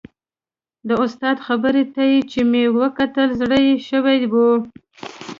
د استاد خبرو ته چې مې وکتل زړه یې شوی و.